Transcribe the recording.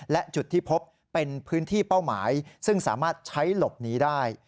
และจุดที่พบเป็นพื้นที่เป้าหมายซึ่งสามารถใช้หลบหนีได้